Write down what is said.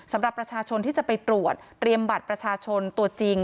สำหรับประชาชนที่จะไปตรวจเตรียมบัตรประชาชนตัวจริง